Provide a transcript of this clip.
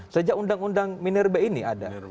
sejak undang undang minerba ini ada